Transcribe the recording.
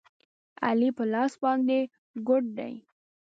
علي په لاس باندې ګوډ دی.